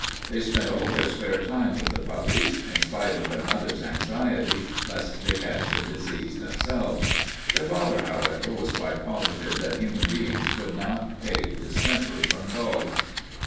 They spent all their spare time with the puppies, in spite of their mother's anxiety lest they catch the disease themselves. Their father, however, was quite positive that human beings could not take distemper from dogs.